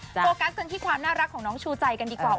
โฟกัสกันที่ความน่ารักของน้องชูใจกันดีกว่า